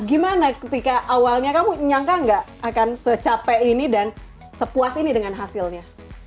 gimana ketika awalnya kamu nyangka nggak akan secapai ini dan sepuas ini dengan hasilnya